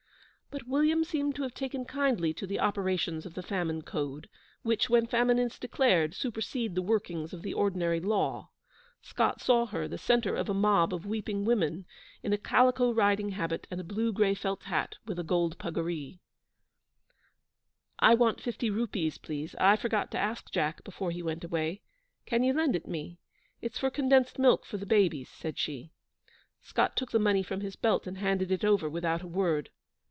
But William seemed to have taken kindly to the operations of the Famine Code, which, when famine is declared, supersede the workings of the ordinary law. Scott saw her, the centre of a mob of weeping women, in a calico riding habit and a blue gray felt hat with a gold puggaree. 'I want fifty rupees, please. I forgot to ask Jack before he went away. Can you lend it me? It's for condensed milk for the babies,' said she. Scott took the money from his belt, and handed it over without a word.